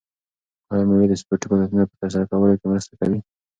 آیا مېوې د سپورتي فعالیتونو په ترسره کولو کې مرسته کوي؟